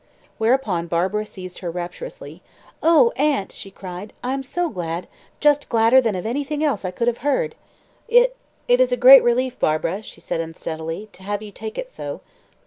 Whereupon Barbara seized her rapturously. "Oh, aunt," she cried, "I'm so glad, just gladder than of anything else I could have heard." "It it is a great relief, Barbara," she said unsteadily, "to have you take it so.